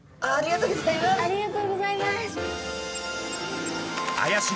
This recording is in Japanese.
ありがとうございます。